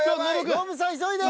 ノブさん急いで。